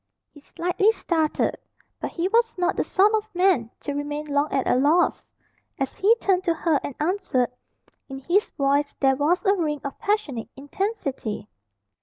He slightly started. But he was not the sort of man to remain long at a loss. As he turned to her and answered, in his voice there was a ring of passionate intensity.